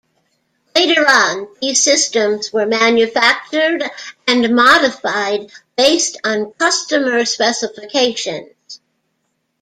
Later on, these systems were manufactured and modified based on customer specifications.